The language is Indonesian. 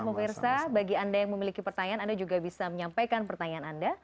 pemirsa bagi anda yang memiliki pertanyaan anda juga bisa menyampaikan pertanyaan anda